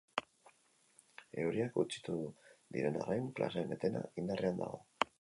Euriak gutxitu diren arren, klaseen etena indarrean dago.